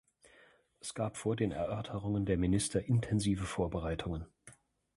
Es gab vor den Erörterungen der Minister intensive Vorbereitungen.